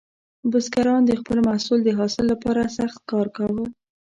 بزګران د خپل محصول د حاصل لپاره سخت کار کاوه.